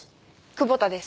久保田です。